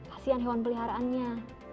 kasian hewan peliharaannya